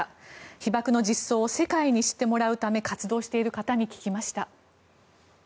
被爆の実相を世界に知ってもらうために活動している方に話を聞きました。